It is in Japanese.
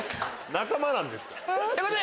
仲間なんですから。